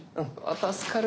助かる。